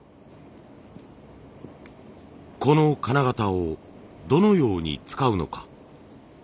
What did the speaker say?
この金型をどのように使うのか。